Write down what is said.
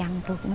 hai đứa cũng bộn